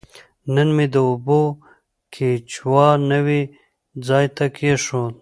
نن مې د اوبو کیچوا نوي ځای ته کیښود.